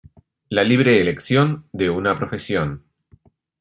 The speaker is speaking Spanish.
La libre elección de una profesión.